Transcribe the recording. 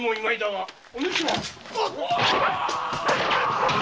お主は？